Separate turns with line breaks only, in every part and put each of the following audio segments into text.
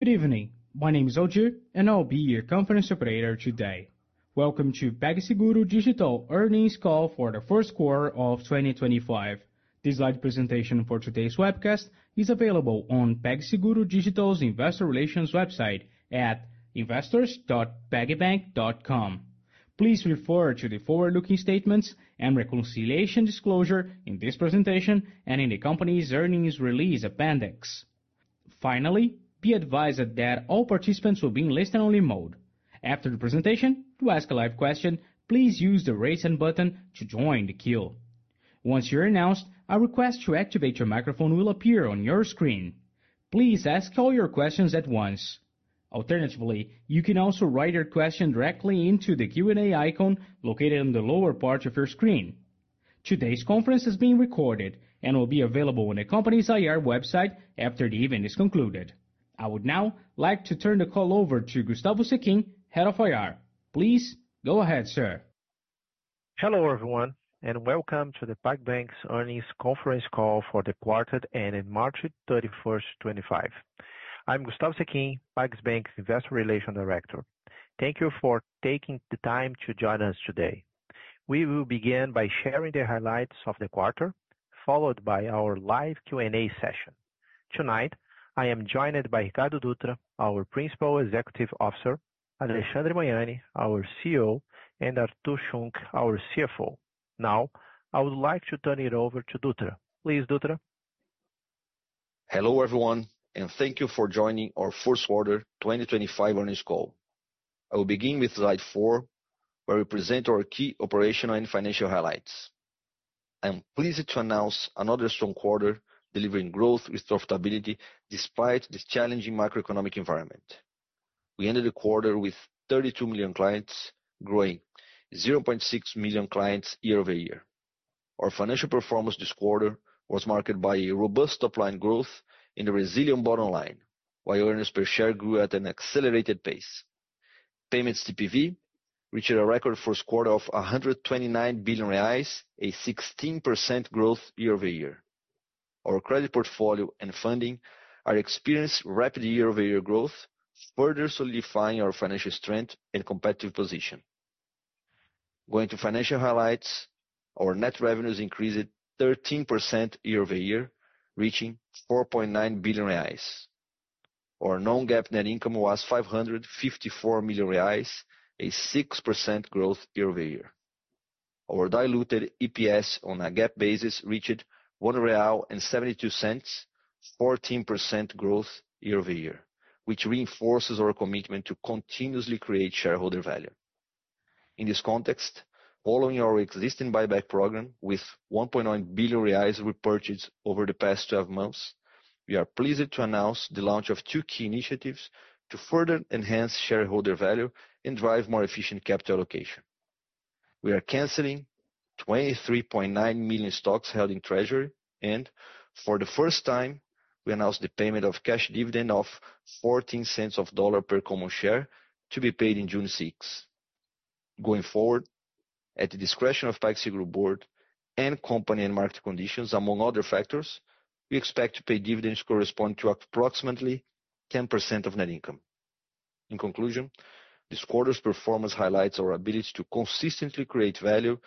Good evening. My name is Odu, and I'll be your conference operator today. Welcome to PagSeguro Digital's earnings call for the first quarter of 2025. This live presentation for today's webcast is available on PagSeguro Digital's investor relations website at investors.pagbank.com. Please refer to the forward-looking statements and reconciliation disclosure in this presentation and in the company's earnings release appendix. Finally, be advised that all participants will be in listen-only mode. After the presentation, to ask a live question, please use the raise hand button to join the queue. Once you're announced, a request to activate your microphone will appear on your screen. Please ask all your questions at once. Alternatively, you can also write your question directly into the Q&A icon located in the lower part of your screen. Today's conference is being recorded and will be available on the company's IR website after the event is concluded. I would now like to turn the call over to Gustavo Sechin, Head of IR. Please go ahead, sir.
Hello everyone, and welcome to the PagBank's earnings conference call for the quarter ended March 31, 2025. I'm Gustavo Sechin, PagBank's Investor Relations Director. Thank you for taking the time to join us today. We will begin by sharing the highlights of the quarter, followed by our live Q&A session. Tonight, I am joined by Ricardo Dutra, our Principal Executive Officer; Alexandre Magnani, our CEO and Artur Schunck, our CFO. Now, I would like to turn it over to Dutra. Please, Dutra.
Hello everyone, and thank you for joining our first quarter 2025 earnings call. I will begin with slide four, where we present our key operational and financial highlights. I'm pleased to announce another strong quarter, delivering growth with profitability despite the challenging macroeconomic environment. We ended the quarter with 32 million clients, growing 0.6 million clients year over year. Our financial performance this quarter was marked by robust upline growth in the resilient bottom line, while earnings per share grew at an accelerated pace. Payments TPV reached a record first quarter of 129 billion reais, a 16% growth year-over-year. Our credit portfolio and funding are experiencing rapid year-over-year growth, further solidifying our financial strength and competitive position. Going to financial highlights, our net revenues increased 13% year over year, reaching 4.9 billion reais. Our non-GAAP net income was 554 million reais, a 6% growth year over year. Our diluted EPS on a GAAP basis reached 1.72 real cents, 14% growth year over year, which reinforces our commitment to continuously create shareholder value. In this context, following our existing buyback program with 1.9 billion reais repurchased over the past 12 months, we are pleased to announce the launch of two key initiatives to further enhance shareholder value and drive more efficient capital allocation. We are canceling 23.9 million shares held in treasury, and for the first time, we announced the payment of cash dividend of $0.14 per common share to be paid in June 6th. Going forward, at the discretion of the PagSeguro Board and company and market conditions, among other factors, we expect to pay dividends corresponding to approximately 10% of net income. In conclusion, this quarter's performance highlights our ability to consistently create value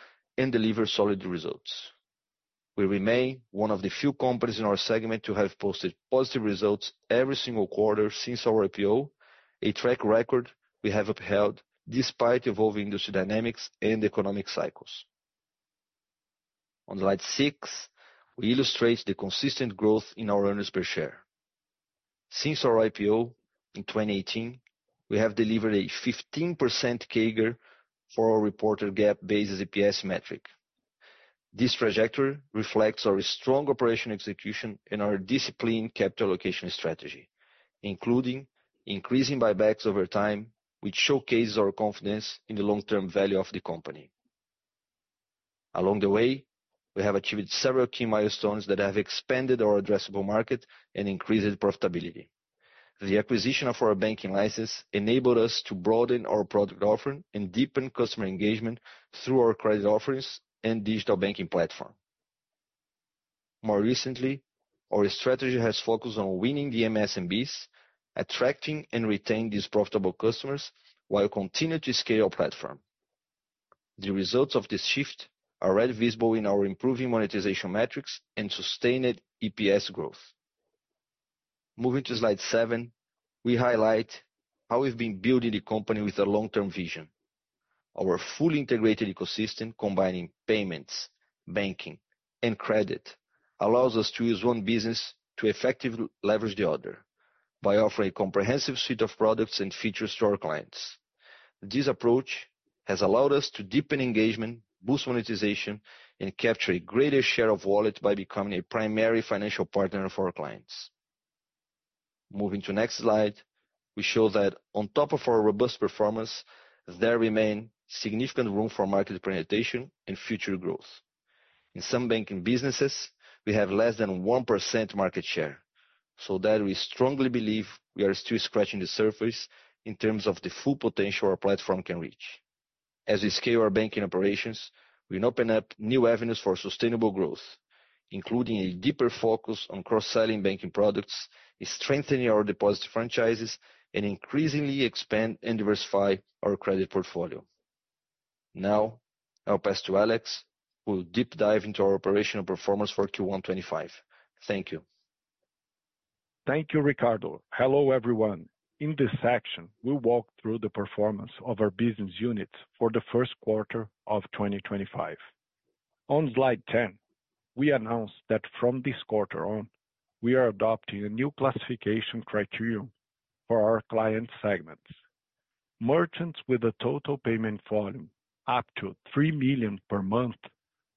and deliver solid results. We remain one of the few companies in our segment to have posted positive results every single quarter since our IPO, a track record we have upheld despite evolving industry dynamics and economic cycles. On slide six, we illustrate the consistent growth in our earnings per share. Since our IPO in 2018, we have delivered a 15% CAGR for our reported GAAP-based EPS metric. This trajectory reflects our strong operational execution and our disciplined capital allocation strategy, including increasing buybacks over time, which showcases our confidence in the long-term value of the company. Along the way, we have achieved several key milestones that have expanded our addressable market and increased profitability. The acquisition of our banking license enabled us to broaden our product offering and deepen customer engagement through our credit offerings and digital banking platform. More recently, our strategy has focused on winning the MSMBs, attracting and retaining these profitable customers while continuing to scale our platform. The results of this shift are already visible in our improving monetization metrics and sustained EPS growth. Moving to slide seven, we highlight how we've been building the company with a long-term vision. Our fully integrated ecosystem, combining payments, banking, and credit, allows us to use one business to effectively leverage the other by offering a comprehensive suite of products and features to our clients. This approach has allowed us to deepen engagement, boost monetization, and capture a greater share of wallet by becoming a primary financial partner for our clients. Moving to the next slide, we show that on top of our robust performance, there remains significant room for market accreditation and future growth. In some banking businesses, we have less than 1% market share, so that we strongly believe we are still scratching the surface in terms of the full potential our platform can reach. As we scale our banking operations, we open up new avenues for sustainable growth, including a deeper focus on cross-selling banking products, strengthening our deposit franchises, and increasingly expanding and diversifying our credit portfolio. Now, I'll pass to Alex, who will deep dive into our operational performance for Q1 2025. Thank you.
Thank you, Ricardo. Hello everyone. In this section, we'll walk through the performance of our business units for the first quarter of 2025. On slide 10, we announced that from this quarter on, we are adopting a new classification criterion for our client segments. Merchants with a total payment volume up to 3 million per month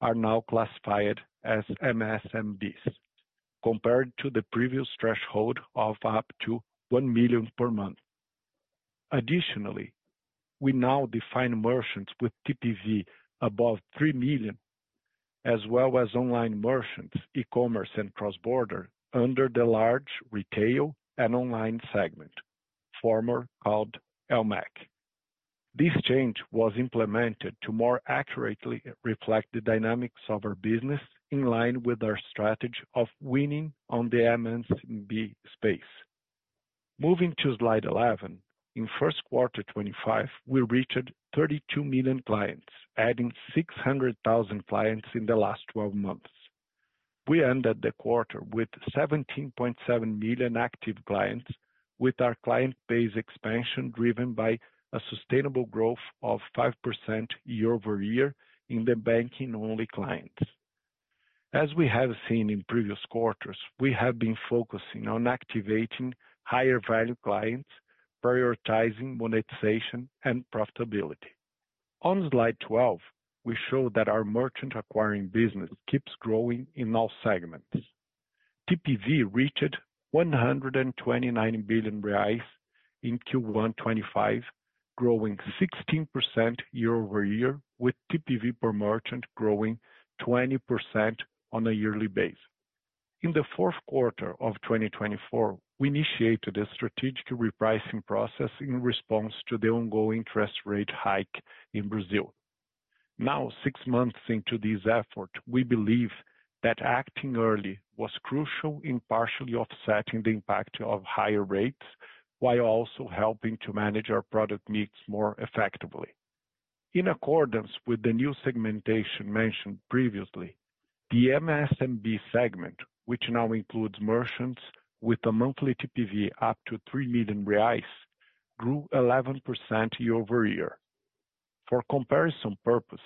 are now classified as MSMBs, compared to the previous threshold of up to 1 million per month. Additionally, we now define merchants with TPV above 3 million, as well as online merchants, e-commerce, and cross-border under the large retail and online segment, formerly called LMAC. This change was implemented to more accurately reflect the dynamics of our business in line with our strategy of winning on the MSMB space. Moving to slide 11, in first quarter 2025, we reached 32 million clients, adding 600,000 clients in the last 12 months. We ended the quarter with 17.7 million active clients, with our client base expansion driven by a sustainable growth of 5% year-over-year in the banking-only clients. As we have seen in previous quarters, we have been focusing on activating higher-value clients, prioritizing monetization and profitability. On slide 12, we show that our merchant acquiring business keeps growing in all segments. TPV reached 129 billion reais in Q1 2025, growing 16% year over year, with TPV per merchant growing 20% on a yearly basis. In the fourth quarter of 2024, we initiated a strategic repricing process in response to the ongoing interest rate hike in Brazil. Now, six months into this effort, we believe that acting early was crucial in partially offsetting the impact of higher rates, while also helping to manage our product needs more effectively. In accordance with the new segmentation mentioned previously, the MSMB segment, which now includes merchants with a monthly TPV up to 3 million reais, grew 11% year-over-year. For comparison purposes,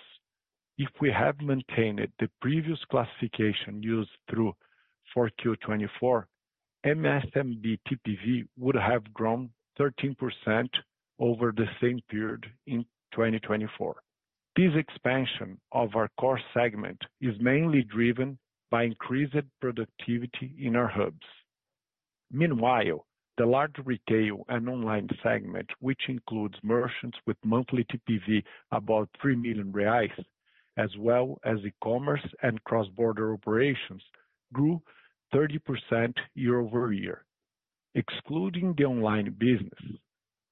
if we had maintained the previous classification used through Q2 2024, MSMB TPV would have grown 13% over the same period in 2024. This expansion of our core segment is mainly driven by increased productivity in our hubs. Meanwhile, the large retail and online segment, which includes merchants with monthly TPV above 3 million reais, as well as e-commerce and cross-border operations, grew 30% year-over-year. Excluding the online business,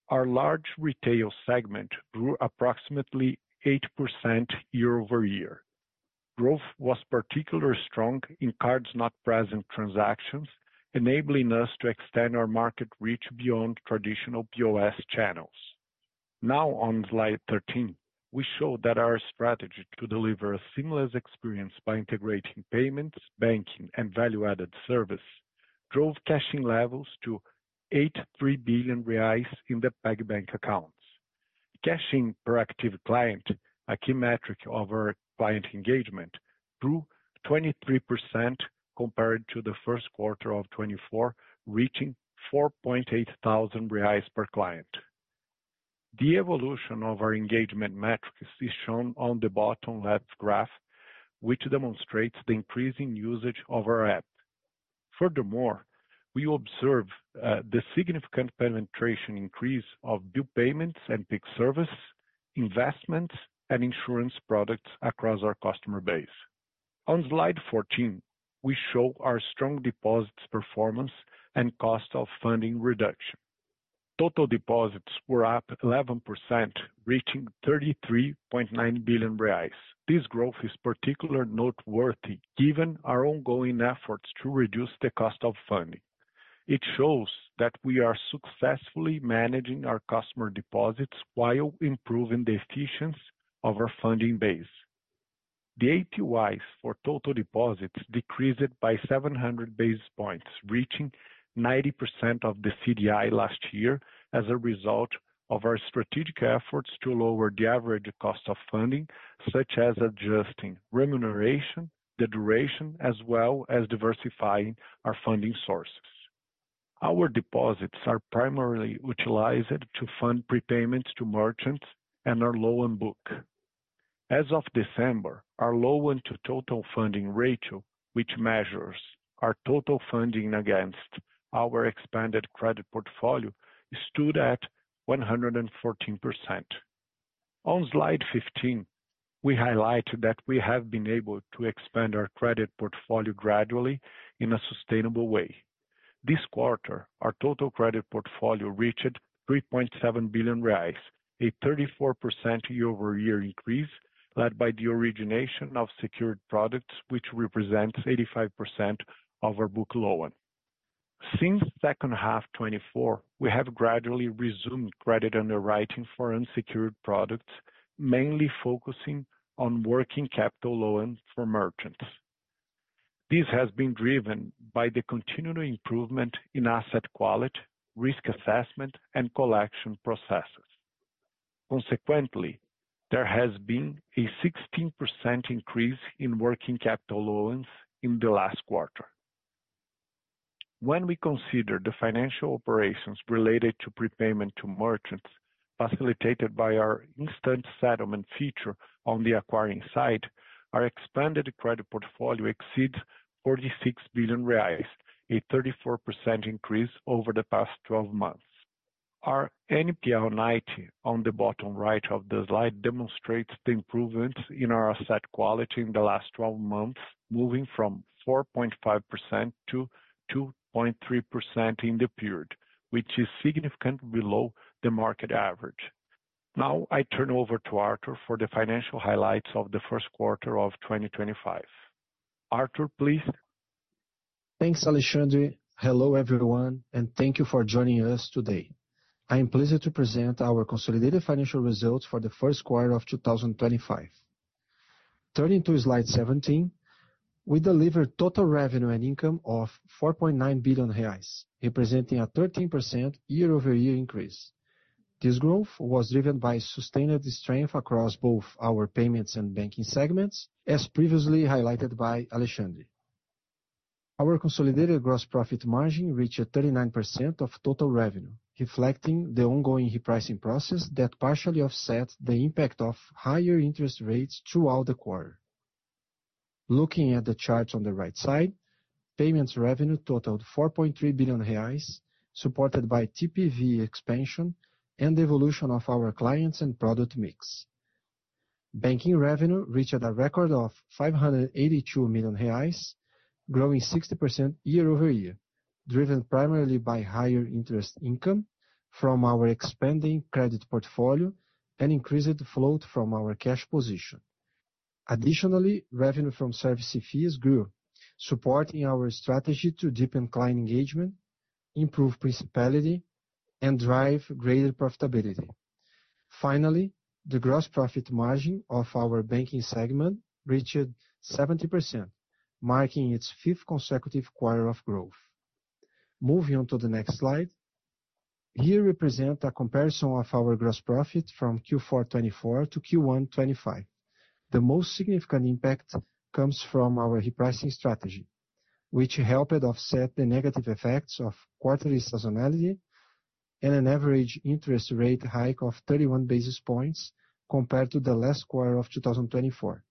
our large retail segment grew approximately 8% year-over-year. Growth was particularly strong in cards-not-present transactions, enabling us to extend our market reach beyond traditional POS channels. Now, on slide 13, we show that our strategy to deliver a seamless experience by integrating payments, banking, and value-added service drove cash-in levels to 83 billion reais in the PagBank accounts. Cash-in per active client, a key metric of our client engagement, grew 23% compared to the first quarter of 2024, reaching 4,800 reais per client. The evolution of our engagement metrics is shown on the bottom left graph, which demonstrates the increasing usage of our app. Furthermore, we observe the significant penetration increase of due payments and PIX service investments and insurance products across our customer base. On slide 14, we show our strong deposits performance and cost of funding reduction. Total deposits were up 11%, reaching 33.9 billion reais. This growth is particularly noteworthy given our ongoing efforts to reduce the cost of funding. It shows that we are successfully managing our customer deposits while improving the efficiency of our funding base. The ATYs for total deposits decreased by 700 basis points, reaching 90% of the CDI last year as a result of our strategic efforts to lower the average cost of funding, such as adjusting remuneration, the duration, as well as diversifying our funding sources. Our deposits are primarily utilized to fund prepayments to merchants and our loan book. As of December, our loan-to-total funding ratio, which measures our total funding against our expanded credit portfolio, stood at 114%. On slide 15, we highlight that we have been able to expand our credit portfolio gradually in a sustainable way. This quarter, our total credit portfolio reached 3.7 billion reais, a 34% year-over-year increase led by the origination of secured products, which represents 85% of our book loan. Since second half 2024, we have gradually resumed credit underwriting for unsecured products, mainly focusing on working capital loans for merchants. This has been driven by the continued improvement in asset quality, risk assessment, and collection processes. Consequently, there has been a 16% increase in working capital loans in the last quarter. When we consider the financial operations related to prepayment to merchants, facilitated by our instant settlement feature on the acquiring side, our expanded credit portfolio exceeds 46 billion reais, a 34% increase over the past 12 months. Our NPL 90 on the bottom right of the slide demonstrates the improvement in our asset quality in the last 12 months, moving from 4.5%-2.3% in the period, which is significantly below the market average. Now, I turn over to Artur for the financial highlights of the first quarter of 2025. Artur, please.
Thanks, Alexandre. Hello, everyone, and thank you for joining us today. I am pleased to present our consolidated financial results for the first quarter of 2025. Turning to slide 17, we delivered total revenue and income of 4.9 billion reais, representing a 13% year-over-year increase. This growth was driven by sustained strength across both our payments and banking segments, as previously highlighted by Alexandre. Our consolidated gross profit margin reached 39% of total revenue, reflecting the ongoing repricing process that partially offsets the impact of higher interest rates throughout the quarter. Looking at the charts on the right side, payments revenue totaled 4.3 billion reais, supported by TPV expansion and the evolution of our clients and product mix. Banking revenue reached a record of 582 million reais, growing 60% year-over-year, driven primarily by higher interest income from our expanding credit portfolio and increased float from our cash position. Additionally, revenue from service fees grew, supporting our strategy to deepen client engagement, improve principality, and drive greater profitability. Finally, the gross profit margin of our banking segment reached 70%, marking its fifth consecutive quarter of growth. Moving on to the next slide, here we present a comparison of our gross profit from Q4 2024 to Q1 2025. The most significant impact comes from our repricing strategy, which helped offset the negative effects of quarterly seasonality and an average interest rate hike of 31 basis points compared to the last quarter of 2024.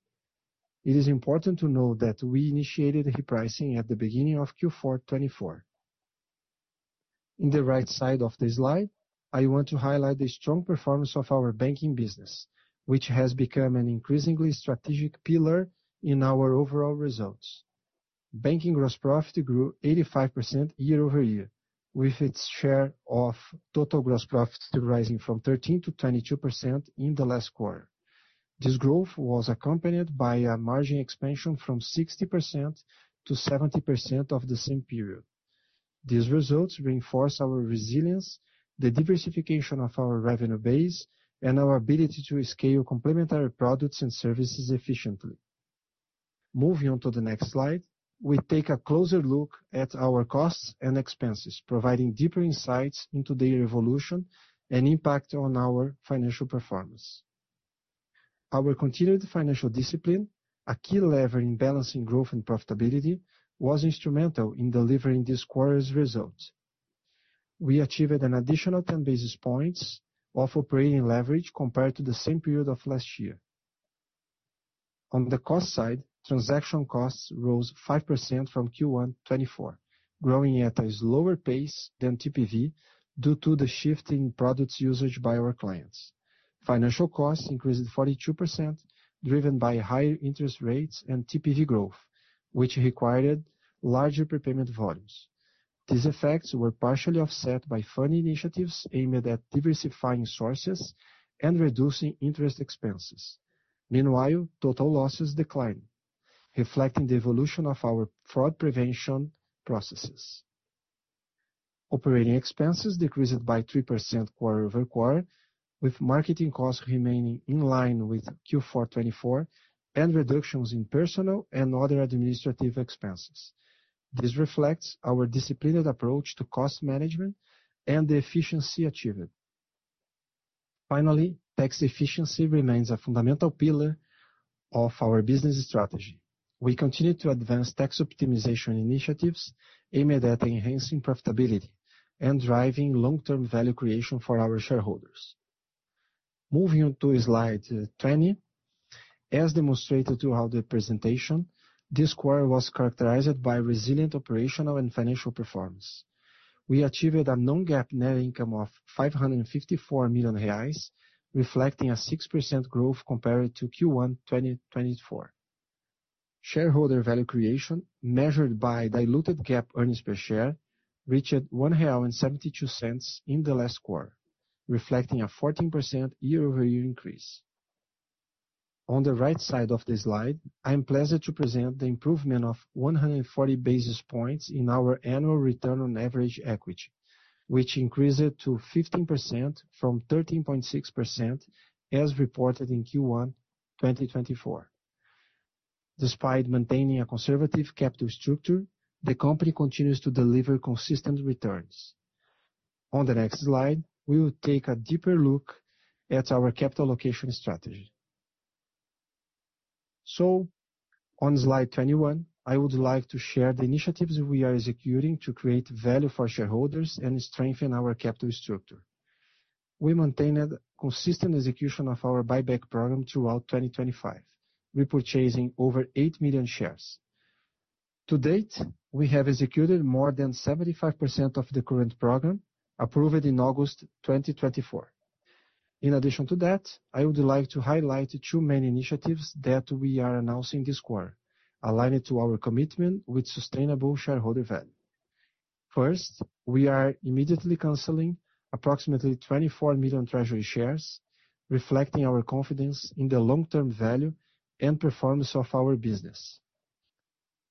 It is important to note that we initiated repricing at the beginning of Q4 2024. On the right side of the slide, I want to highlight the strong performance of our banking business, which has become an increasingly strategic pillar in our overall results. Banking gross profit grew 85% year-over-year, with its share of total gross profit rising from 13%-22% in the last quarter. This growth was accompanied by a margin expansion from 60%-70% of the same period. These results reinforce our resilience, the diversification of our revenue base, and our ability to scale complementary products and services efficiently. Moving on to the next slide, we take a closer look at our costs and expenses, providing deeper insights into their evolution and impact on our financial performance. Our continued financial discipline, a key lever in balancing growth and profitability, was instrumental in delivering this quarter's result. We achieved an additional 10 basis points of operating leverage compared to the same period of last year. On the cost side, transaction costs rose 5% from Q1 2024, growing at a slower pace than TPV due to the shift in product usage by our clients. Financial costs increased 42%, driven by higher interest rates and TPV growth, which required larger prepayment volumes. These effects were partially offset by funding initiatives aimed at diversifying sources and reducing interest expenses. Meanwhile, total losses declined, reflecting the evolution of our fraud prevention processes. Operating expenses decreased by 3% quarter-over-quarter, with marketing costs remaining in line with Q4 2024 and reductions in personnel and other administrative expenses. This reflects our disciplined approach to cost management and the efficiency achieved. Finally, tax efficiency remains a fundamental pillar of our business strategy. We continue to advance tax optimization initiatives aimed at enhancing profitability and driving long-term value creation for our shareholders. Moving on to slide 20, as demonstrated throughout the presentation, this quarter was characterized by resilient operational and financial performance. We achieved a non-GAAP net income of 554 million reais, reflecting a 6% growth compared to Q1 2024. Shareholder value creation, measured by diluted GAAP earnings per share, reached 1.72 real cents in the last quarter, reflecting a 14% year-over-year increase. On the right side of the slide, I am pleased to present the improvement of 140 basis points in our annual return on average equity, which increased to 15% from 13.6% as reported in Q1 2024. Despite maintaining a conservative capital structure, the company continues to deliver consistent returns. On the next slide, we will take a deeper look at our capital allocation strategy. On slide 21, I would like to share the initiatives we are executing to create value for shareholders and strengthen our capital structure. We maintained consistent execution of our buyback program throughout 2025, repurchasing over 8 million shares. To date, we have executed more than 75% of the current program, approved in August 2024. In addition to that, I would like to highlight two main initiatives that we are announcing this quarter, aligning to our commitment with sustainable shareholder value. First, we are immediately canceling approximately 24 million treasury shares, reflecting our confidence in the long-term value and performance of our business.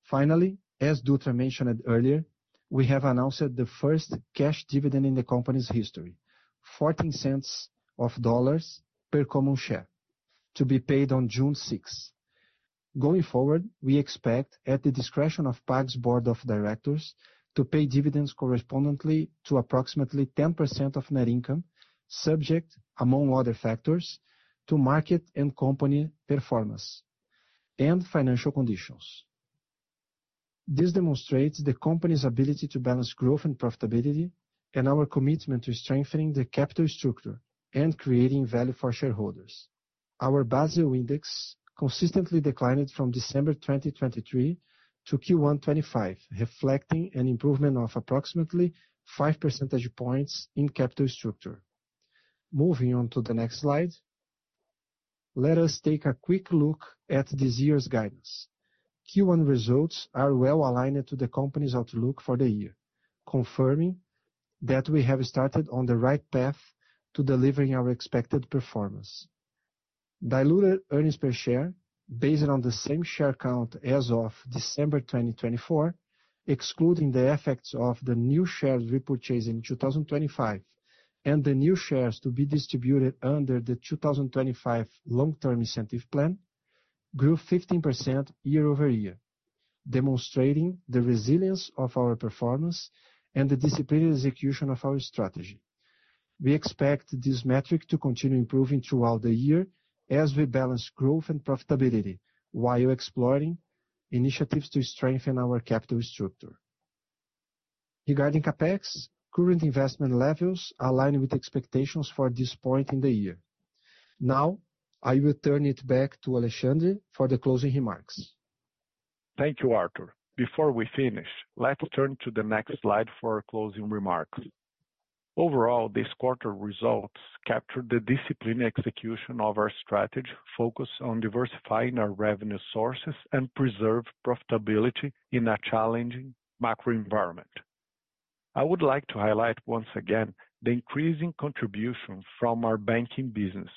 Finally, as Dutra mentioned earlier, we have announced the first cash dividend in the company's history, $0.14 cents per common share, to be paid on June 6. Going forward, we expect, at the discretion of Pag's Board of Directors, to pay dividends correspondingly to approximately 10% of net income, subject, among other factors, to market and company performance and financial conditions. This demonstrates the company's ability to balance growth and profitability and our commitment to strengthening the capital structure and creating value for shareholders. Our Basel Index consistently declined from December 2023 to Q1 2025, reflecting an improvement of approximately 5% points in capital structure. Moving on to the next slide, let us take a quick look at this year's guidance. Q1 results are well aligned to the company's outlook for the year, confirming that we have started on the right path to delivering our expected performance. Diluted earnings per share, based on the same share count as of December 2024, excluding the effects of the new shares repurchased in 2025 and the new shares to be distributed under the 2025 long-term incentive plan, grew 15% year-over-year, demonstrating the resilience of our performance and the disciplined execution of our strategy. We expect this metric to continue improving throughout the year as we balance growth and profitability while exploring initiatives to strengthen our capital structure. Regarding CapEx, current investment levels align with expectations for this point in the year. Now, I will turn it back to Alexandre for the closing remarks.
Thank you, Artur. Before we finish, let's turn to the next slide for closing remarks. Overall, this quarter results captured the disciplined execution of our strategy, focused on diversifying our revenue sources and preserving profitability in a challenging macro environment. I would like to highlight once again the increasing contribution from our banking business,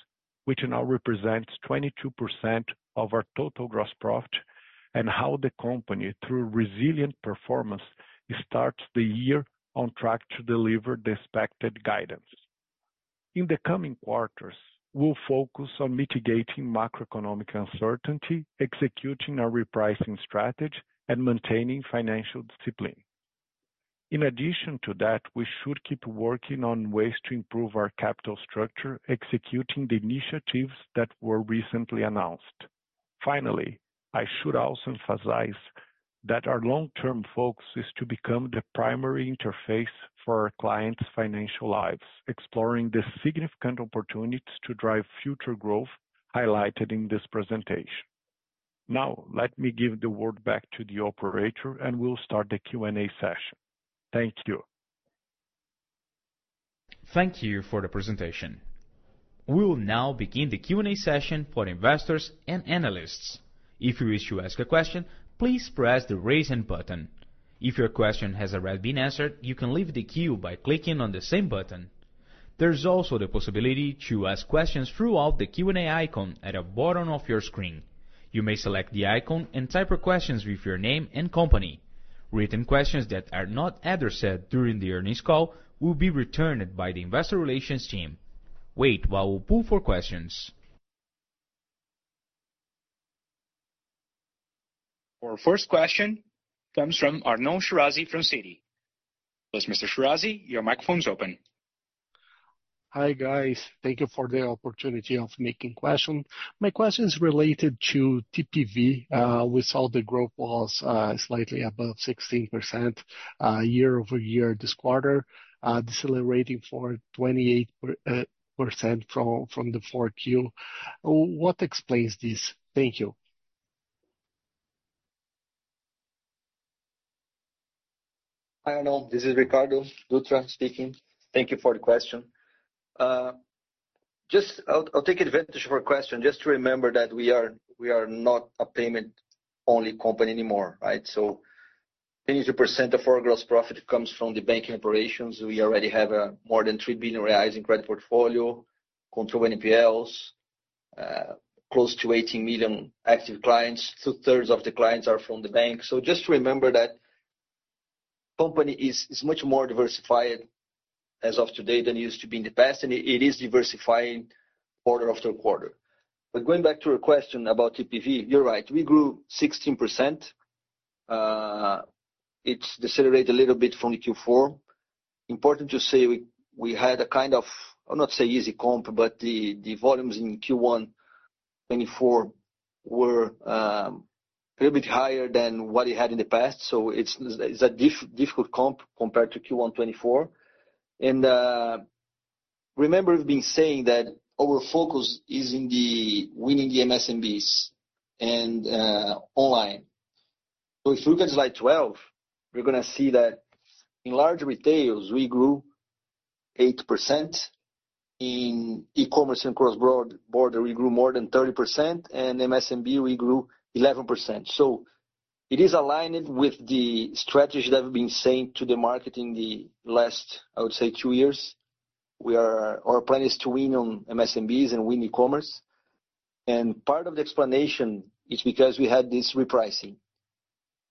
which now represents 22% of our total gross profit, and how the company, through resilient performance, starts the year on track to deliver the expected guidance. In the coming quarters, we'll focus on mitigating macroeconomic uncertainty, executing our repricing strategy, and maintaining financial discipline. In addition to that, we should keep working on ways to improve our capital structure, executing the initiatives that were recently announced. Finally, I should also emphasize that our long-term focus is to become the primary interface for our clients' financial lives, exploring the significant opportunities to drive future growth highlighted in this presentation. Now, let me give the word back to the operator, and we'll start the Q&A session. Thank you.
Thank you for the presentation. We'll now begin the Q&A session for investors and analysts. If you wish to ask a question, please press the Raise Hand button. If your question has already been answered, you can leave the queue by clicking on the same button. There is also the possibility to ask questions throughout the Q&A icon at the bottom of your screen. You may select the icon and type your questions with your name and company. Written questions that are not answered during the earnings call will be returned by the Investor Relations team. Wait while we pull for questions. Our first question comes from Arnaud Shirazi from CITI. Mr. Shirazi, your microphone is open.
Hi guys. Thank you for the opportunity of making a question. My question is related to TPV. We saw the growth was slightly above 16% year-over-year this quarter, decelerating from 28% from the fourth quarter. What explains this? Thank you.
Hi, Arnaud. This is Ricardo Dutra speaking. Thank you for the question. I'll take advantage of your question just to remember that we are not a payment-only company anymore, right? 82% of our gross profit comes from the banking operations. We already have more than 3 billion reais in credit portfolio, control NPLs, close to 18 million active clients. Two-thirds of the clients are from the bank. Just to remember that the company is much more diversified as of today than it used to be in the past, and it is diversifying quarter after quarter. Going back to your question about TPV, you're right. We grew 16%. It decelerated a little bit from Q4. Important to say we had a kind of, I'll not say easy comp, but the volumes in Q1 2024 were a little bit higher than what we had in the past. It is a difficult comp compared to Q1 2024. Remember we have been saying that our focus is in winning the MSMBs and online. If you look at slide 12, you are going to see that in large retails, we grew 8%. In e-commerce and cross-border, we grew more than 30%. In MSMB, we grew 11%. It is aligned with the strategy that we have been saying to the market in the last, I would say, two years. Our plan is to win on MSMBs and win e-commerce. Part of the explanation is because we had this repricing.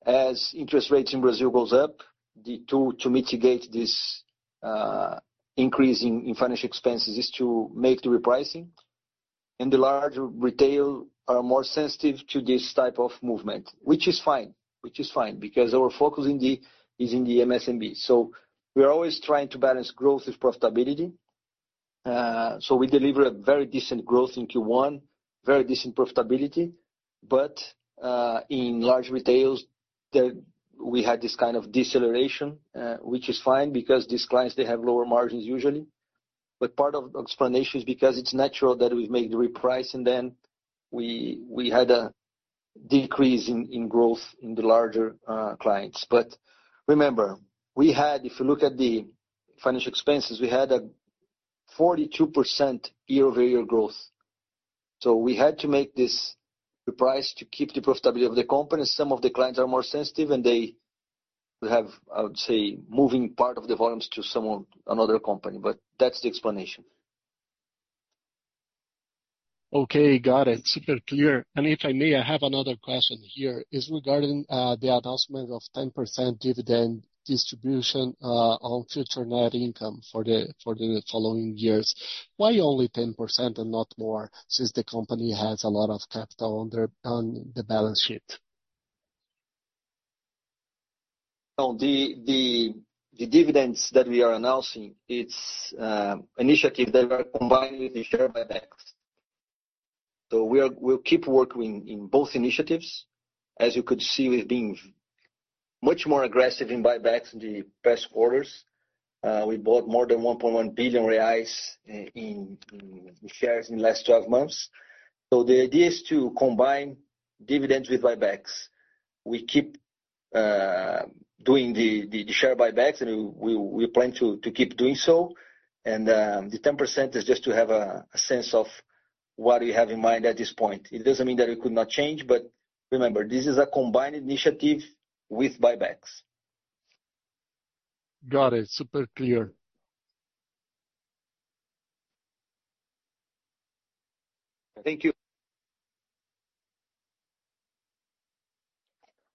As interest rates in Brazil go up, the tool to mitigate this increase in financial expenses is to make the repricing. The larger retail are more sensitive to this type of movement, which is fine, which is fine because our focus is in the MSMB. We are always trying to balance growth with profitability. We delivered very decent growth in Q1, very decent profitability. In large retails, we had this kind of deceleration, which is fine because these clients usually have lower margins. Part of the explanation is because it is natural that we made the repricing, then we had a decrease in growth in the larger clients. Remember, if you look at the financial expenses, we had a 42% year-over-year growth. We had to make this reprice to keep the profitability of the company. Some of the clients are more sensitive, and they have, I would say, moved part of the volumes to another company. That is the explanation.
Okay, got it. Super clear. If I may, I have another question here regarding the announcement of 10% dividend distribution on future net income for the following years. Why only 10% and not more since the company has a lot of capital on the balance sheet?
The dividends that we are announcing, it's initiatives that are combined with the share buybacks. We will keep working in both initiatives. As you could see, we have been much more aggressive in buybacks in the past quarters. We bought more than 1.1 billion reais in shares in the last 12 months. The idea is to combine dividends with buybacks. We keep doing the share buybacks, and we plan to keep doing so. The 10% is just to have a sense of what we have in mind at this point. It does not mean that we could not change, but remember, this is a combined initiative with buybacks.
Got it. Super clear.
Thank you.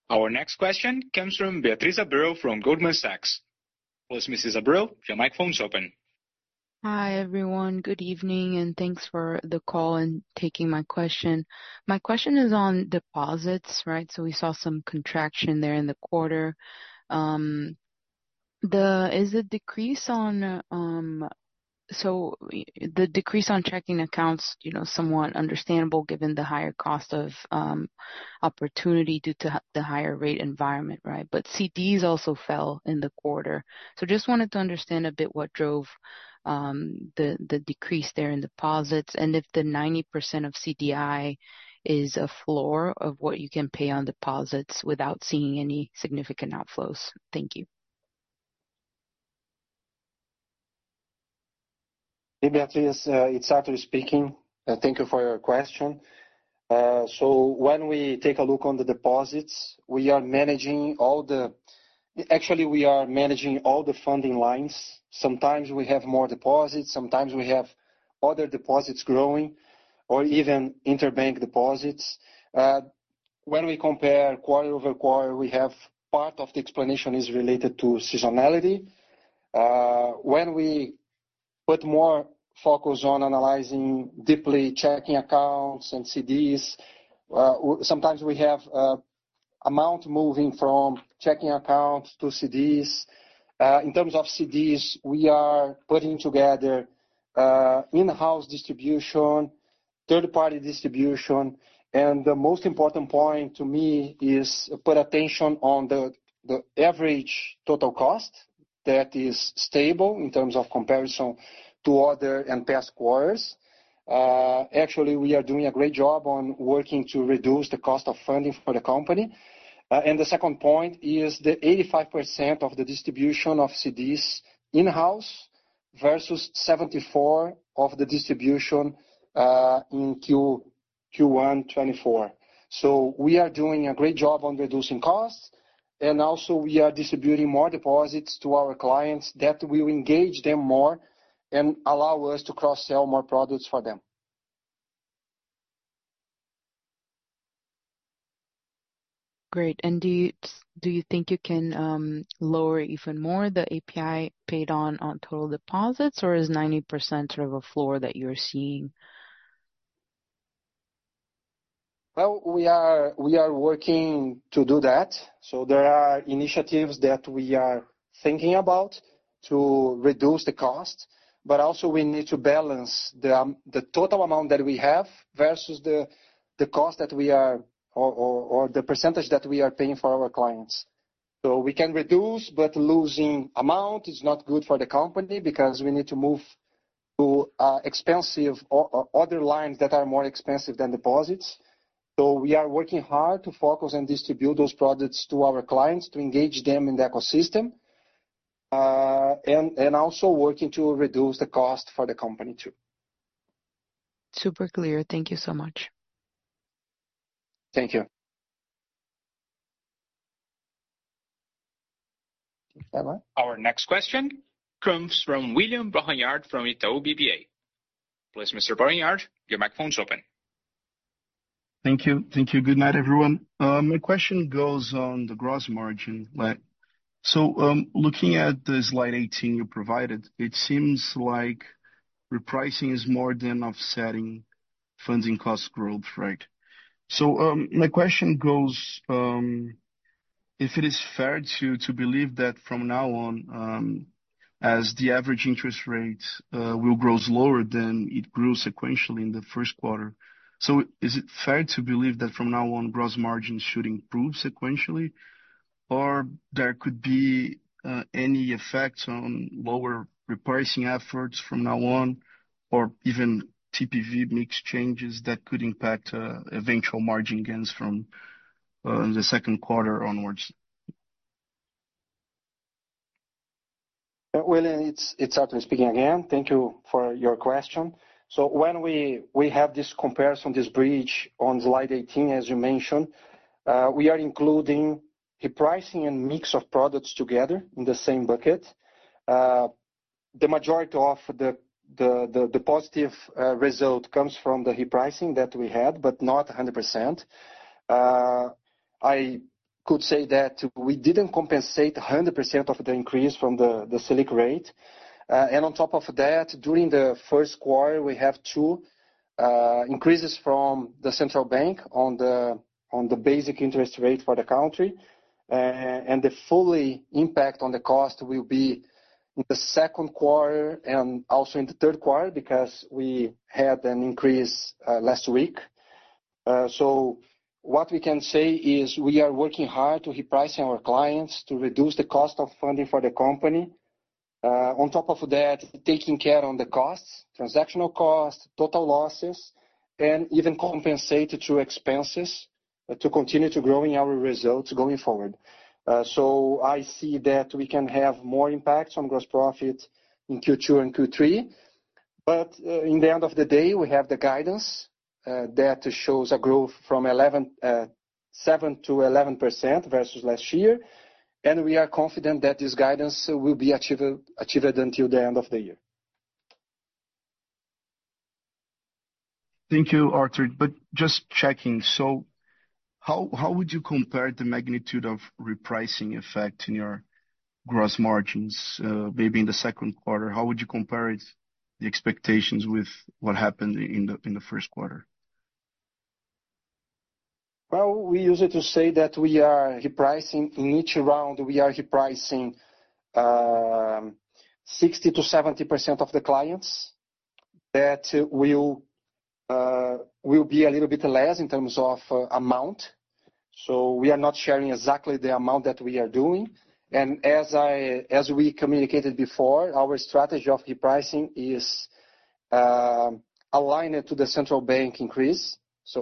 Our next question comes from Beatriz Abreu from Goldman Sachs. Ms. Abreu, your microphone is open.
Hi, everyone. Good evening, and thanks for the call and taking my question. My question is on deposits, right? We saw some contraction there in the quarter. Is the decrease on checking accounts somewhat understandable given the higher cost of opportunity due to the higher rate environment, right? CDs also fell in the quarter. I just wanted to understand a bit what drove the decrease there in deposits, and if the 90% of CDI is a floor of what you can pay on deposits without seeing any significant outflows. Thank you.
Hey, Beatriz, it's Artur speaking. Thank you for your question. When we take a look on the deposits, we are managing all the actually, we are managing all the funding lines. Sometimes we have more deposits. Sometimes we have other deposits growing or even interbank deposits. When we compare quarter over quarter, part of the explanation is related to seasonality. When we put more focus on analyzing deeply checking accounts and CDs, sometimes we have amount moving from checking accounts to CDs. In terms of CDs, we are putting together in-house distribution, third-party distribution, and the most important point to me is to put attention on the average total cost that is stable in terms of comparison to other and past quarters. Actually, we are doing a great job on working to reduce the cost of funding for the company. The second point is the 85% of the distribution of CDs in-house versus 74% of the distribution in Q1 2024. We are doing a great job on reducing costs, and also we are distributing more deposits to our clients that will engage them more and allow us to cross-sell more products for them.
Great. Do you think you can lower even more the ATY paid on total deposits, or is 90% sort of a floor that you're seeing?
We are working to do that. There are initiatives that we are thinking about to reduce the cost, but also we need to balance the total amount that we have versus the cost that we are or the percentage that we are paying for our clients. We can reduce, but losing amount is not good for the company because we need to move to other lines that are more expensive than deposits. We are working hard to focus and distribute those products to our clients to engage them in the ecosystem and also working to reduce the cost for the company too.
Super clear. Thank you so much.
Thank you.
Our next question comes from William Barranjard from Itaú BBA. Please, Mr. Barranjard your microphone is open.
Thank you. Thank you. Good night, everyone. My question goes on the gross margin. Looking at slide 18 you provided, it seems like repricing is more than offsetting funding cost growth, right? My question goes, if it is fair to believe that from now on, as the average interest rate will grow slower than it grew sequentially in the first quarter, is it fair to believe that from now on, gross margins should improve sequentially, or could there be any effects on lower repricing efforts from now on, or even TPV mix changes that could impact eventual margin gains from the second quarter onwards?
William, it's Artur speaking again. Thank you for your question. When we have this comparison, this bridge on slide 18, as you mentioned, we are including repricing and mix of products together in the same bucket. The majority of the positive result comes from the repricing that we had, but not 100%. I could say that we did not compensate 100% of the increase from the Selic rate. On top of that, during the first quarter, we have two increases from the central bank on the basic interest rate for the country. The full impact on the cost will be in the second quarter and also in the third quarter because we had an increase last week. What we can say is we are working hard to reprice our clients to reduce the cost of funding for the company.
On top of that, taking care of the costs, transactional costs, total losses, and even compensate to expenses to continue to grow in our results going forward. I see that we can have more impact on gross profit in Q2 and Q3. In the end of the day, we have the guidance that shows a growth from 7% to 11% versus last year. We are confident that this guidance will be achieved until the end of the year.
Thank you, Artur. Just checking, how would you compare the magnitude of repricing effect in your gross margins maybe in the second quarter? How would you compare the expectations with what happened in the first quarter?
We use it to say that we are repricing. In each round, we are repricing 60%-70% of the clients. That will be a little bit less in terms of amount. We are not sharing exactly the amount that we are doing. As we communicated before, our strategy of repricing is aligned to the central bank increase.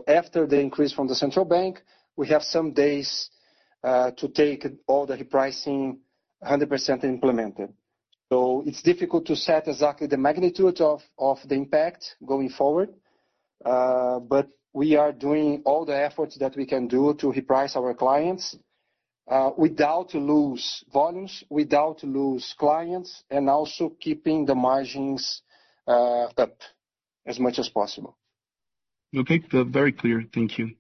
After the increase from the central bank, we have some days to take all the repricing 100% implemented. It is difficult to set exactly the magnitude of the impact going forward. We are doing all the efforts that we can do to reprice our clients without losing volumes, without losing clients, and also keeping the margins up as much as possible.
Okay. Very clear. Thank you.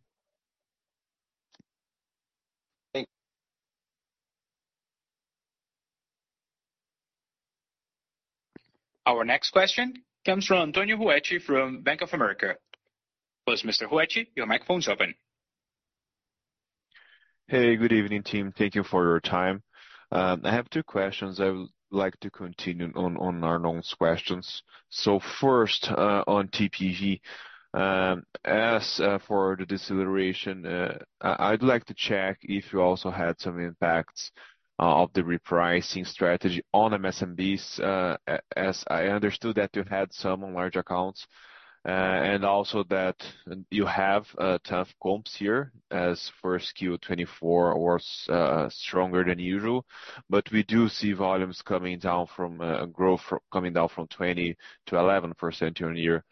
Thank you. Our next question comes from Antonio Ruette from Bank of America. Please, Mr. Ruette, your microphone is open.
Hey, good evening, team. Thank you for your time. I have two questions. I would like to continue on our own questions. First, on TPV, as for the deceleration, I'd like to check if you also had some impacts of the repricing strategy on MSMBs, as I understood that you had some on large accounts, and also that you have tough comps here as for Q2 2024 or stronger than usual. We do see volumes coming down from growth coming down from 20%-11% year-on-year.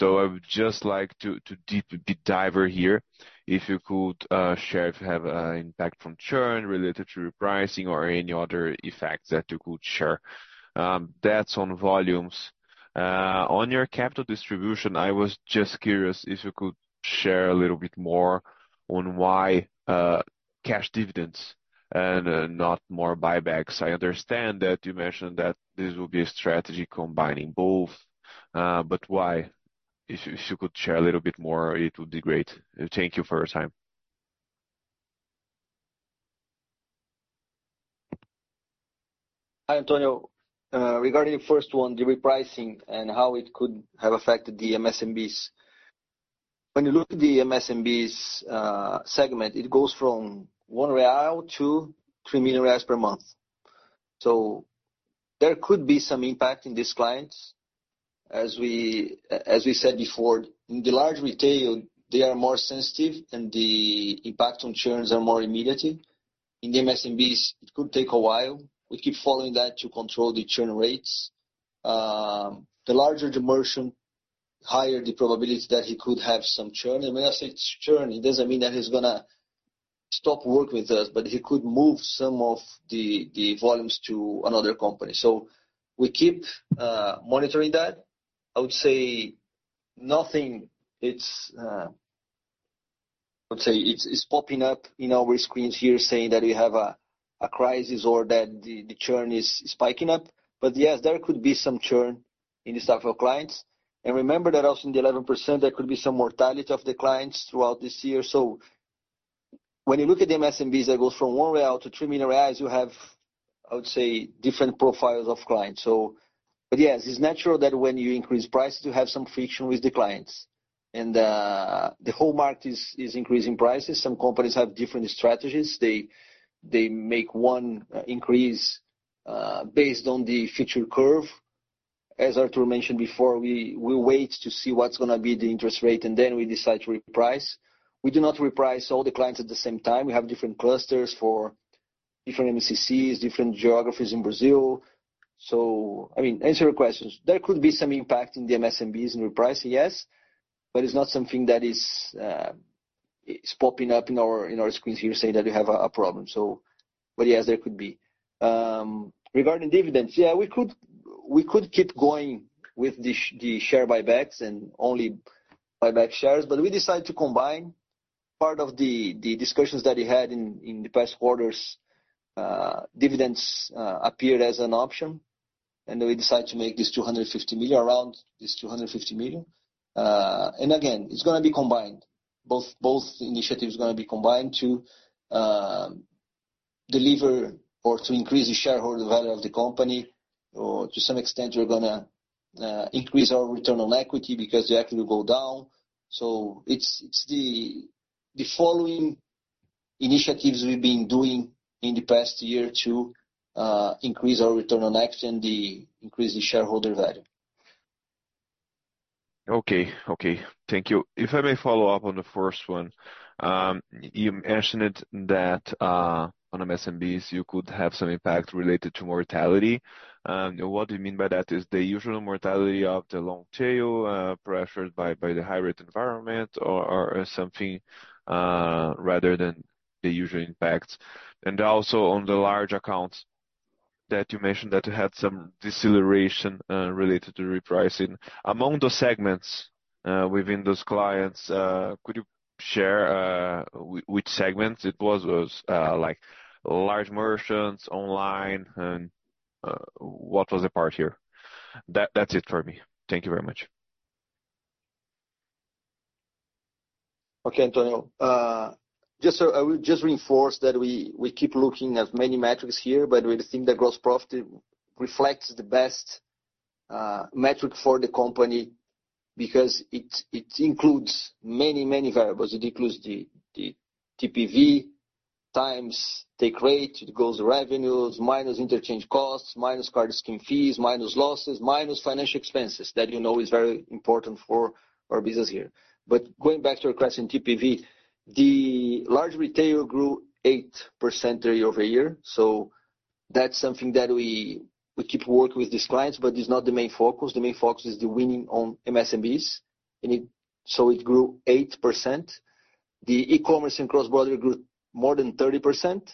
I would just like to deep dive here. If you could share if you have an impact from churn related to repricing or any other effects that you could share. That's on volumes. On your capital distribution, I was just curious if you could share a little bit more on why cash dividends and not more buybacks. I understand that you mentioned that this will be a strategy combining both, but why? If you could share a little bit more, it would be great. Thank you for your time.
Hi, Antonio. Regarding the first one, the repricing and how it could have affected the MSMBs. When you look at the MSMBs segment, it goes from one real to 3 million reais per month. There could be some impact in these clients. As we said before, in the large retail, they are more sensitive, and the impact on churns are more immediate. In the MSMBs, it could take a while. We keep following that to control the churn rates. The larger the merchant, the higher the probability that he could have some churn. When I say churn, it does not mean that he is going to stop working with us, but he could move some of the volumes to another company. We keep monitoring that. I would say nothing is popping up in our screens here saying that we have a crisis or that the churn is spiking up. Yes, there could be some churn in the staff of clients. Remember that also in the 11%, there could be some mortality of the clients throughout this year. When you look at the MSMBs, that goes from 1 million-3 million real, you have, I would say, different profiles of clients. Yes, it's natural that when you increase prices, you have some friction with the clients. The whole market is increasing prices. Some companies have different strategies. They make one increase based on the future curve. As Artur mentioned before, we wait to see what's going to be the interest rate, and then we decide to reprice. We do not reprice all the clients at the same time. We have different clusters for different MCCs, different geographies in Brazil. I mean, answer your questions. There could be some impact in the MSMBs in repricing, yes, but it's not something that is popping up in our screens here saying that we have a problem. Yes, there could be. Regarding dividends, yeah, we could keep going with the share buybacks and only buy back shares. We decided to combine part of the discussions that we had in the past quarters. Dividends appeared as an option, and we decided to make this 250 million round, this 250 million. Again, it's going to be combined. Both initiatives are going to be combined to deliver or to increase the shareholder value of the company. To some extent, we're going to increase our return on equity because the equity will go down. It's the following initiatives we've been doing in the past year to increase our return on equity and increase the shareholder value.
Okay. Okay. Thank you. If I may follow up on the first one, you mentioned that on MSMBs, you could have some impact related to mortality. What do you mean by that? Is the usual mortality of the long tail pressured by the hybrid environment or something rather than the usual impacts? Also, on the large accounts that you mentioned that you had some deceleration related to repricing. Among those segments within those clients, could you share which segments it was? Was it large merchants online? What was the part here? That's it for me. Thank you very much.
Okay, Antonio. Just to reinforce that we keep looking at many metrics here, but we think that gross profit reflects the best metric for the company because it includes many, many variables. It includes the TPV times take rate, it goes revenues, minus interchange costs, minus card scheme fees, minus losses, minus financial expenses that you know is very important for our business here. Going back to your question, TPV, the large retail grew 8% year-over-year. That is something that we keep working with these clients, but it is not the main focus. The main focus is the winning on MSMBs. It grew 8%. The e-commerce and cross-border grew more than 30%,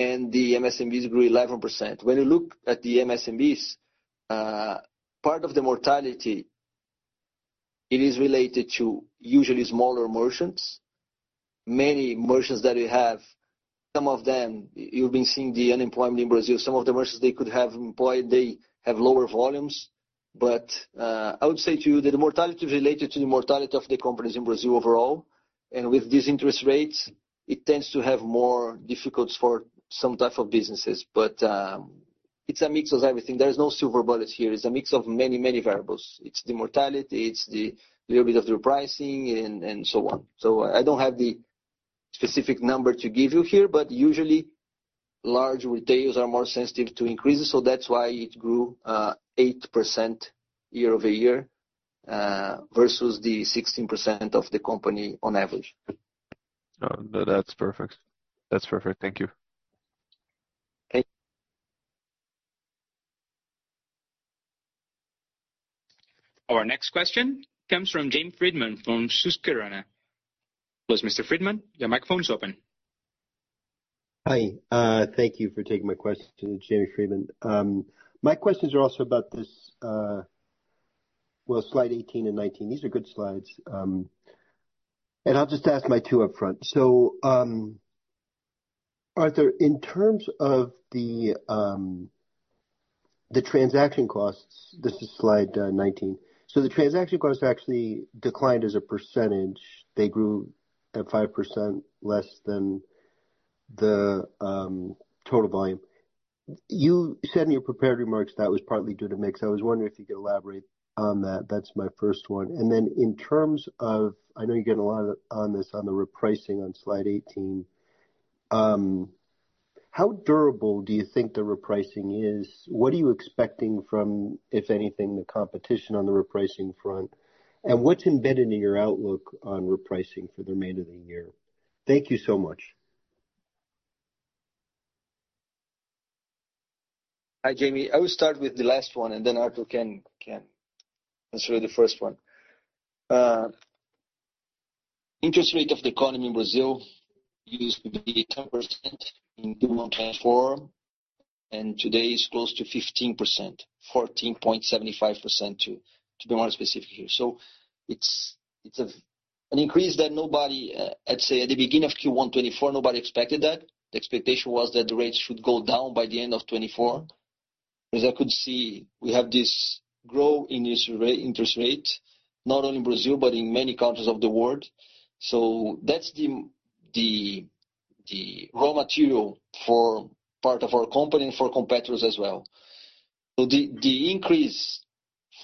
and the MSMBs grew 11%. When you look at the MSMBs, part of the mortality, it is related to usually smaller merchants. Many merchants that we have, some of them, you've been seeing the unemployment in Brazil. Some of the merchants they could have employed, they have lower volumes. I would say to you that the mortality is related to the mortality of the companies in Brazil overall. With these interest rates, it tends to have more difficulties for some type of businesses. It's a mix of everything. There's no silver bullet here. It's a mix of many, many variables. It's the mortality, it's a little bit of repricing, and so on. I don't have the specific number to give you here, but usually large retailers are more sensitive to increases. That's why it grew 8% year-over-year versus the 16% of the company on average.
That's perfect. Thank you.
Thank you.
Our next question comes from James Friedman from Susquehanna. Please, Mr. Friedman, your microphone is open.
Hi. Thank you for taking my question, James Friedman. My questions are also about this, slide 18 and 19. These are good slides. I'll just ask my two upfront. So Artur, in terms of the transaction costs, this is slide 19. The transaction costs actually declined as a percentage. They grew at 5% less than the total volume. You said in your prepared remarks that was partly due to mix. I was wondering if you could elaborate on that. That's my first one. In terms of, I know you get a lot on this on the repricing on slide 18, how durable do you think the repricing is? What are you expecting from, if anything, the competition on the repricing front? What's embedded in your outlook on repricing for the remainder of the year? Thank you so much.
Hi, Jamie. I will start with the last one, and then Artur can answer the first one. Interest rate of the economy in Brazil used to be 10% in 2024, and today it's close to 15%, 14.75% to be more specific here. It's an increase that nobody, I'd say at the beginning of Q1 2024, nobody expected that. The expectation was that the rates should go down by the end of 2024. As I could see, we have this grow in this interest rate, not only in Brazil, but in many countries of the world. That's the raw material for part of our company and for competitors as well. The increase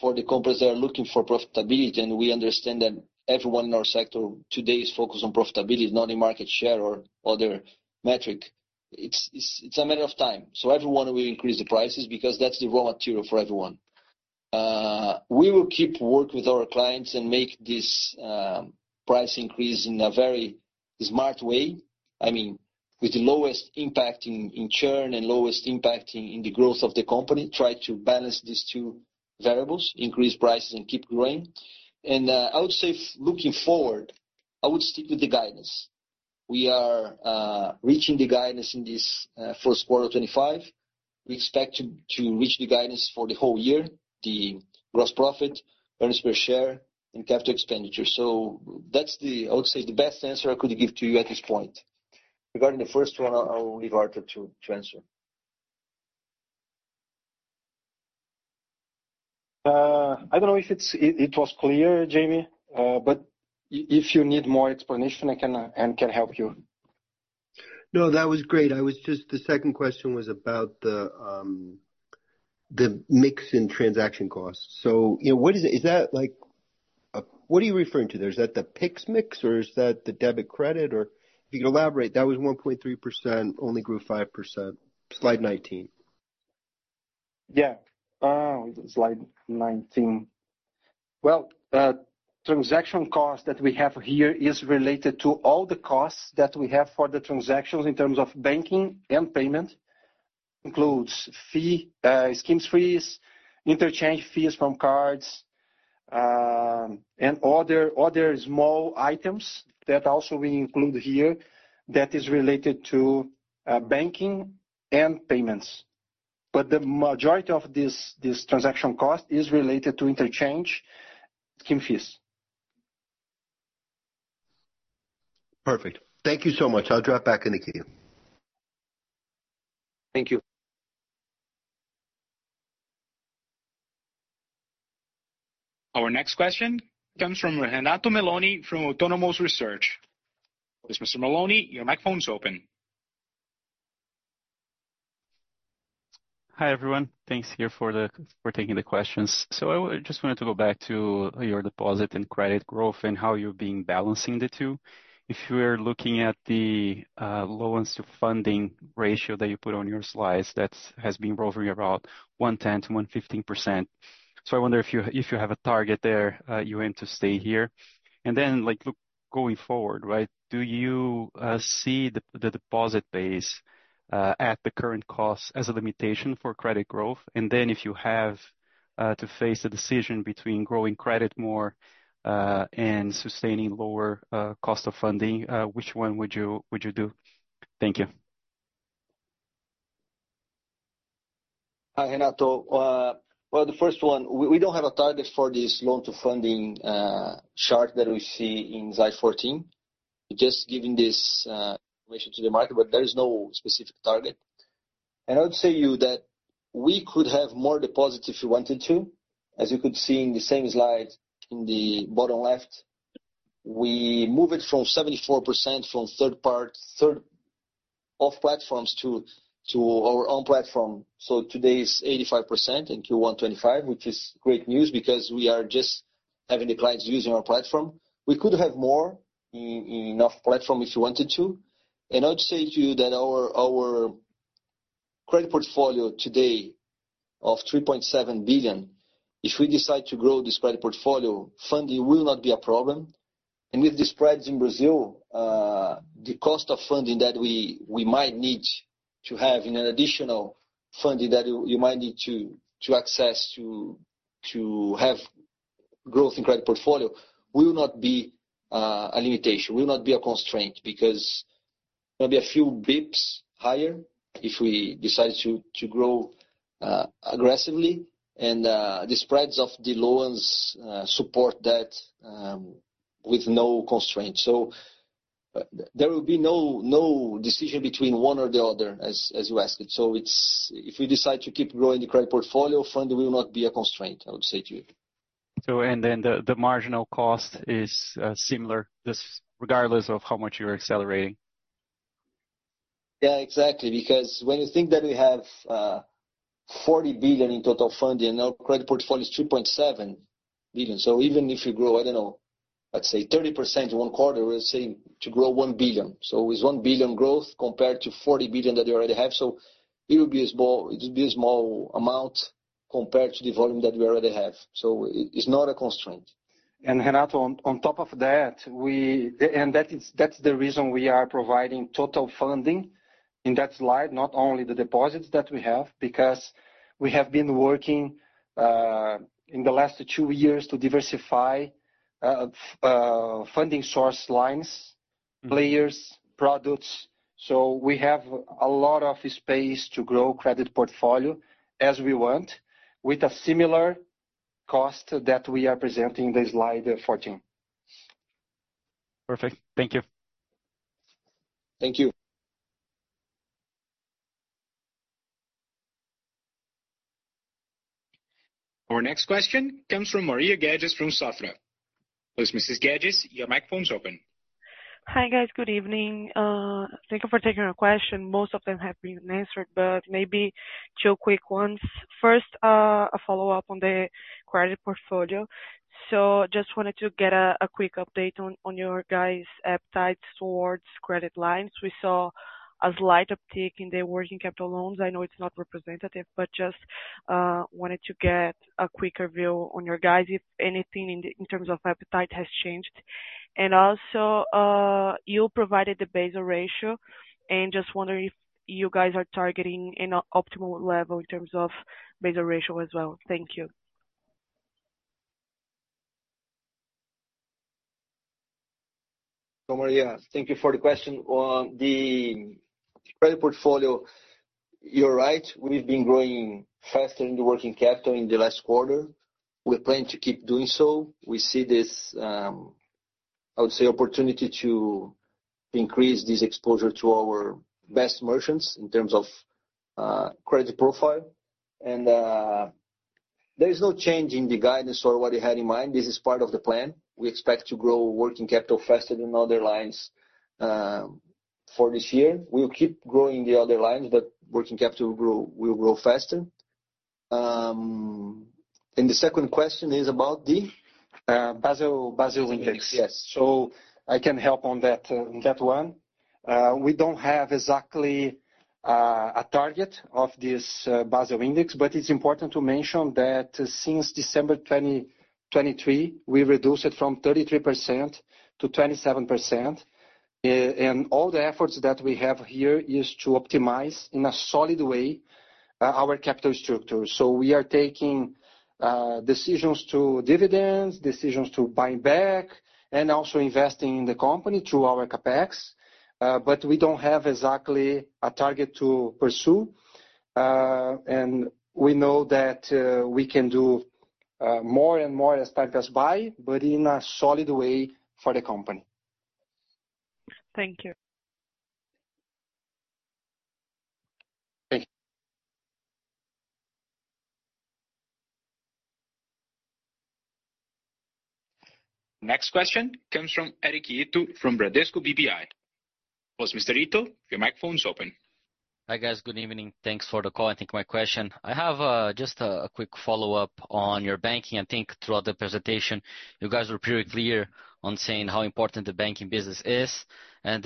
for the companies that are looking for profitability, and we understand that everyone in our sector today is focused on profitability, not in market share or other metric. It's a matter of time. Everyone will increase the prices because that's the raw material for everyone. We will keep working with our clients and make this price increase in a very smart way. I mean, with the lowest impact in churn and lowest impact in the growth of the company, try to balance these two variables, increase prices, and keep growing. I would say looking forward, I would stick with the guidance. We are reaching the guidance in this first quarter 2025. We expect to reach the guidance for the whole year. The gross profit, earnings per share, and capital expenditure. That is, I would say, the best answer I could give to you at this point. Regarding the first one, I'll leave Artur to answer.
I don't know if it was clear, Jamie, but if you need more explanation, I can help you.
No, that was great. I was just, the second question was about the mix in transaction costs. Is that, what are you referring to there? Is that the PIX mix or is that the debit credit? If you could elaborate, that was 1.3%, only grew 5%. Slide 19.
Yeah. Slide 19. Transaction costs that we have here is related to all the costs that we have for the transactions in terms of banking and payment. Includes scheme fees, interchange fees from cards, and other small items that also we include here that is related to banking and payments. The majority of this transaction cost is related to interchange scheme fees. Perfect. Thank you so much. I'll drop back into you. Thank you.
Our next question comes from Renato Meloni from Autonomous Research. Mr. Meloni, your microphone is open.
Hi, everyone. Thanks here for taking the questions. I just wanted to go back to your deposit and credit growth and how you're being balancing the two. If you are looking at the loan-to-total funding ratio that you put on your slides, that has been growth for you about 110%-115%. I wonder if you have a target there, you aim to stay here. Going forward, right, do you see the deposit base at the current cost as a limitation for credit growth? If you have to face the decision between growing credit more and sustaining lower cost of funding, which one would you do? Thank you.
Hi, Renato. The first one, we do not have a target for this loan-to-funding chart that we see in slide 14. Just giving this information to the market, but there is no specific target. I would say to you that we could have more deposits if we wanted to. As you could see in the same slide in the bottom left, we moved it from 74% from third-party off-platforms to our own platform. Today it is 85% in Q1 2025, which is great news because we are just having the clients using our platform. We could have more in an off-platform if we wanted to. I would say to you that our credit portfolio today of 3.7 billion, if we decide to grow this credit portfolio, funding will not be a problem. With these spreads in Brazil, the cost of funding that we might need to have and additional funding that you might need to access to have growth in credit portfolio will not be a limitation, will not be a constraint because there will be a few basis points higher if we decide to grow aggressively. The spreads of the loans support that with no constraint. There will be no decision between one or the other, as you asked. If we decide to keep growing the credit portfolio, funding will not be a constraint, I would say to you.
The marginal cost is similar regardless of how much you're accelerating.
Yeah, exactly. Because when you think that we have 40 billion in total funding and our credit portfolio is 3.7 billion. Even if you grow, I do not know, let's say 30% one quarter, we are saying to grow 1 billion. With 1 billion growth compared to 40 billion that you already have, it would be a small amount compared to the volume that you already have. It is not a constraint. Renato, on top of that, and that is the reason we are providing total funding in that slide, not only the deposits that we have, because we have been working in the last two years to diversify funding source lines, players, products. We have a lot of space to grow credit portfolio as we want with a similar cost that we are presenting in slide 14.
Perfect. Thank you.
Thank you.
Our next question comes from Maria Gadges from Sofra. Please, Mrs. Gadges, your microphone is open.
Hi, guys. Good evening. Thank you for taking our question. Most of them have been answered, but maybe two quick ones. First, a follow-up on the credit portfolio. Just wanted to get a quick update on your guys' appetite towards credit lines. We saw a slight uptick in the working capital loans. I know it's not representative, but just wanted to get a quicker view on your guys, if anything in terms of appetite has changed. Also, you provided the Basel ratio and just wondering if you guys are targeting an optimal level in terms of Basel ratio as well. Thank you.
Maria, thank you for the question. The credit portfolio, you're right. We've been growing faster in the working capital in the last quarter. We plan to keep doing so. We see this, I would say, opportunity to increase this exposure to our best merchants in terms of credit profile. There is no change in the guidance or what you had in mind. This is part of the plan. We expect to grow working capital faster than other lines for this year. We'll keep growing the other lines, but working capital will grow faster. The second question is about the Basel Index. Yes. I can help on that one. We don't have exactly a target of this Basel Index, but it's important to mention that since December 2023, we reduced it from 33%-27%. All the efforts that we have here is to optimize in a solid way our capital structure. We are taking decisions to dividends, decisions to buy back, and also investing in the company through our CapEx. We do not have exactly a target to pursue. We know that we can do more and more as time passes by, but in a solid way for the company.
Thank you.
Thank you.
Next question comes from Eric Ito from Bradesco BBI. Please, Mr. Ito, your microphone is open.
Hi, guys. Good evening. Thanks for the call. I think my question. I have just a quick follow-up on your banking. I think throughout the presentation, you guys were pretty clear on saying how important the banking business is. And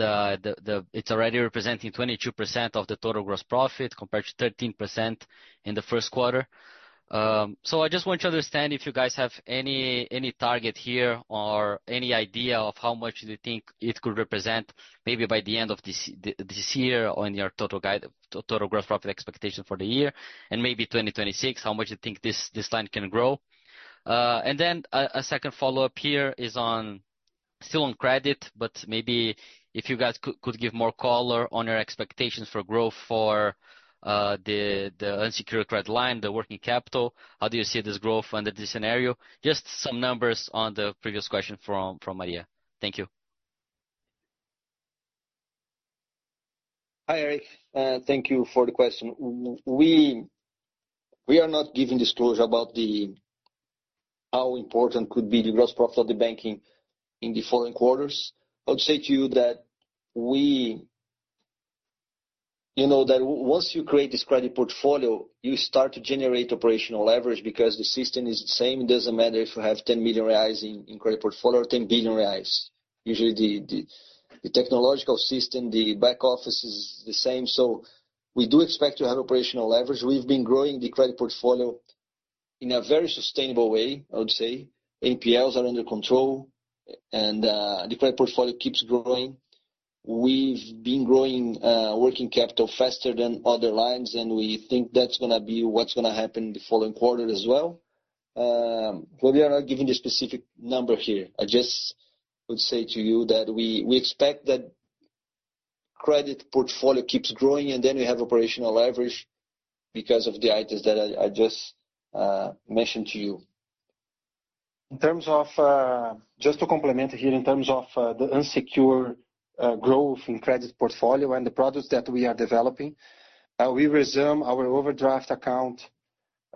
it's already representing 22% of the total gross profit compared to 13% in the first quarter. I just want to understand if you guys have any target here or any idea of how much you think it could represent maybe by the end of this year on your total gross profit expectation for the year and maybe 2026, how much you think this line can grow. A second follow-up here is still on credit, but maybe if you guys could give more color on your expectations for growth for the unsecured credit line, the working capital, how do you see this growth under this scenario? Just some numbers on the previous question from Maria. Thank you.
Hi, Eric. Thank you for the question. We are not giving disclosure about how important could be the gross profit of the banking in the following quarters. I would say to you that once you create this credit portfolio, you start to generate operational leverage because the system is the same. It does not matter if you have 10 million reais in credit portfolio or 10 billion reais. Usually, the technological system, the back office is the same. We do expect to have operational leverage. We have been growing the credit portfolio in a very sustainable way, I would say. NPLs are under control, and the credit portfolio keeps growing. We have been growing working capital faster than other lines, and we think that is going to be what is going to happen in the following quarter as well. We are not giving the specific number here. I just would say to you that we expect that credit portfolio keeps growing, and then we have operational leverage because of the items that I just mentioned to you. In terms of just to complement here, in terms of the unsecured growth in credit portfolio and the products that we are developing, we resumed our overdraft account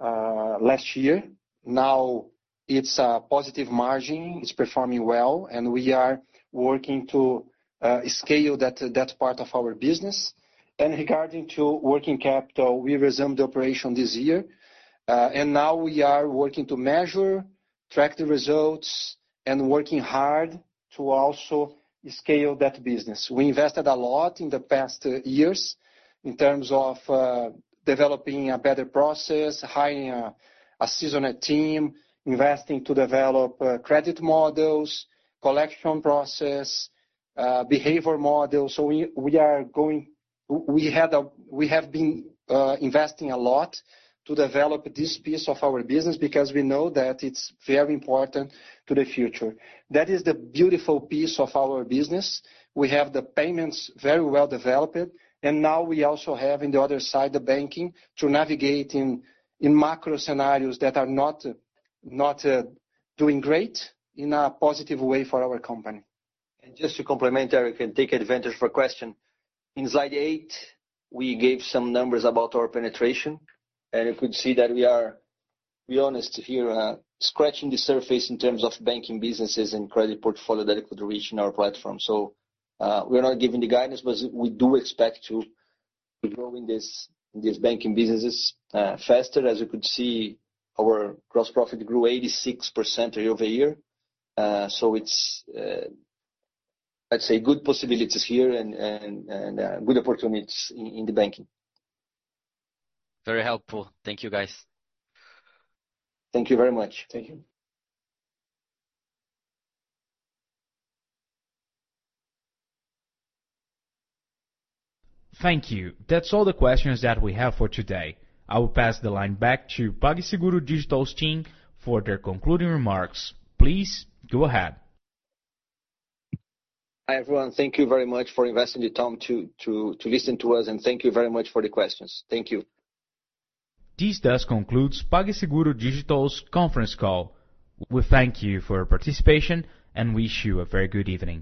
last year. Now it is a positive margin. It is performing well, and we are working to scale that part of our business. Regarding working capital, we resumed the operation this year. Now we are working to measure, track the results, and working hard to also scale that business. We invested a lot in the past years in terms of developing a better process, hiring a seasoned team, investing to develop credit models, collection process, behavior model. We have been investing a lot to develop this piece of our business because we know that it is very important to the future. That is the beautiful piece of our business. We have the payments very well developed. We also have on the other side the banking to navigate in macro scenarios that are not doing great in a positive way for our company. Just to complement, Eric, and take advantage of your question, in slide 8, we gave some numbers about our penetration. You could see that we are, to be honest here, scratching the surface in terms of banking businesses and credit portfolio that could reach in our platform. We are not giving the guidance, but we do expect to grow in these banking businesses faster. As you could see, our gross profit grew 86% year-over-year. It is, let's say, good possibilities here and good opportunities in the banking.
Very helpful. Thank you, guys.
Thank you very much.
Thank you. Thank you. That is all the questions that we have for today. I will pass the line back to PagSeguro Digital's team for their concluding remarks. Please go ahead.
Hi, everyone. Thank you very much for investing the time to listen to us. Thank you very much for the questions. Thank you.
This does conclude PagSeguro Digital's conference call. We thank you for your participation and wish you a very good evening.